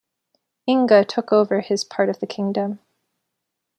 Inge took over his part of the kingdom.